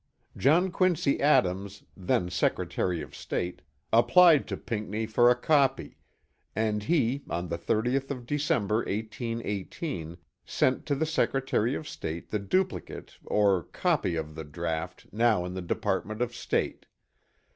John Quincy Adams then Secretary of State applied to Pinckney for a copy; and he on the 30th of December 1818, sent to the Secretary of State the duplicate or copy of the draught now in the Department of State.